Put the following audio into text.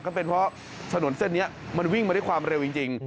ก็เป็นเพราะถนนเส้นนี้มันวิ่งมาด้วยความเร็วจริง